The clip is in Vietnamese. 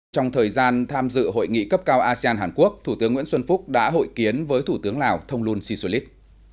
trong thời gian tham dự hội nghị cấp cao asean hàn quốc thủ tướng nguyễn xuân phúc đã hội kiến với thủ tướng lào thông luân sisulit